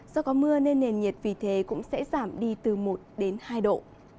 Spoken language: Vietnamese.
do có mưa nên nền nhiệt vì thế cũng sẽ giảm đi từ một đến hai độ